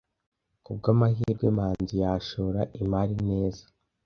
Ku bw'amahirwe, Manzi yashora imari neza.